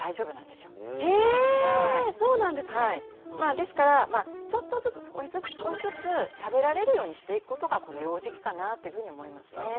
ですからちょっとずつ少しずつ少しずつ食べられるようにしていくことがこの幼児期かなぁっていうふうに思いますね。